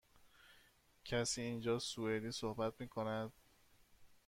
کسی اینجا سوئدی صحبت می کند؟